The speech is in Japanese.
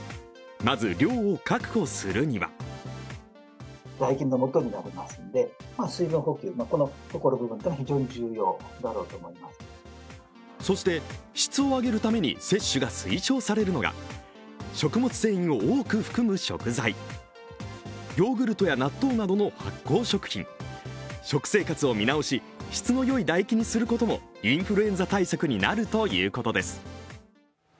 まずは量を確保するにはそして質を上げるために摂取が推奨されるのが食物繊維を多く含む食材、ヨーグルトや納豆などの発酵食品、食生活を見直し、質の良い唾液にすることもインフルエンザ対策になるということです。